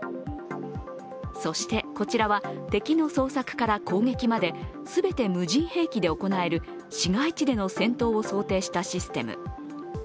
そして、こちらは敵の捜索から攻撃まで全て無人兵器で行える市街地での戦闘を想定したシステム。